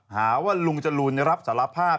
หาว่าลุงจรูนรับสารภาพ